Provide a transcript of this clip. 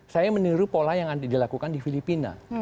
saya meniru pola yang dilakukan di filipina